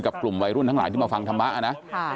กลุ่มวัยรุ่นทั้งหลายที่มาฟังธรรมะนะ